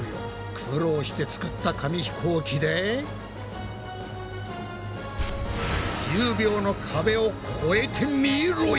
苦労して作った紙ひこうきで１０秒の壁を超えてみろや！